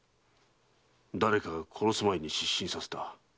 誰かが殺す前に失神させた。